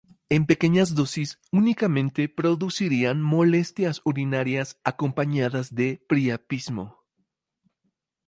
En pequeñas dosis únicamente producirían molestias urinarias acompañadas de priapismo.